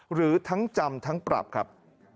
หรือทั้งจำทั้งปรับครับ